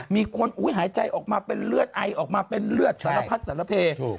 มีคนหายใจออกมาเป็นเลือดไอออกมาเป็นเลือดสารพัดสารเพ